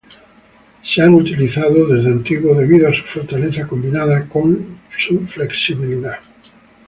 Han sido utilizadas desde antiguo debido a su fortaleza combinada con flexibilidad.